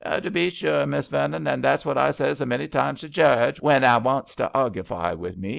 "To be zure. Miss Vernon; that's what I zays a many times to Jarge when 'a wants to arguefy wi' me.